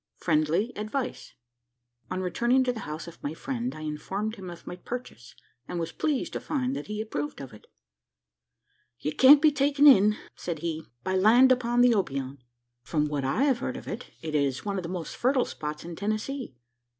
FRIENDLY ADVICE. On returning to the house of my friend, I informed him of my purchase; and was pleased to find that he approved of it. "You can't be taken in," said he, "by land upon the Obion. From what I have heard of it, it is one of the most fertile spots in Tennessee.